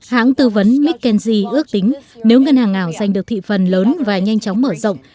hãng tư vấn mckenzy ước tính nếu ngân hàng ảo giành được thị phần lớn và nhanh chóng mở rộng